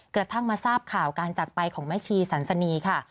กระทั่งมาทราบข่าวการจักรไปของแม่ชีสันสนีค่ะ